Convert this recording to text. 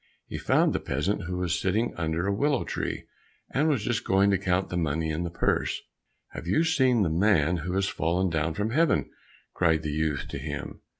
He found the peasant who was sitting under a willow tree, and was just going to count the money in the purse. "Have you seen the man who has fallen down from Heaven?" cried the youth to him.